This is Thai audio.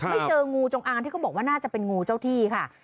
เจองูจงอางที่เขาบอกว่าน่าจะเป็นงูเจ้าที่ค่ะ